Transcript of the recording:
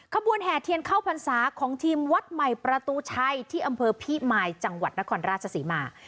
ขบวนแห่เทียนเข้าพรรษาของทีมวัดใหม่ประตูชัยที่อำเภอพิมายจังหวัดนครราชศรีมา